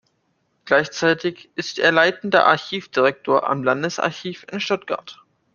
Gleichzeitig ist er leitender Archivdirektor am Landesarchiv in Stuttgart.